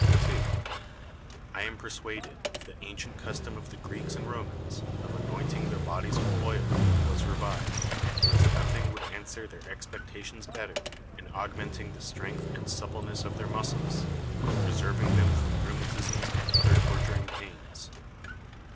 2. I am persuaded if the antient Custom of the Greeks and Romans, of anointing their Bodies with Oil, was revived, there is nothing would answer their Expectations better, in augmenting the Strength and Suppleness of their Muscles, and preserving them from Rheumatisms and other torturing Pains.